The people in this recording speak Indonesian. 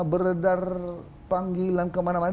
beredar panggilan kemana mana